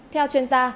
theo chuyên gia